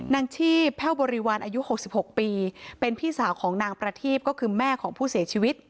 นางชีพแพ่วบริวารอายุ๖๖ปีเป็นพี่สาวของนางประทีพก็คือแม่ของผู้เสียชีวิต